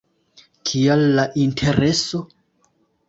Kial la Intereso?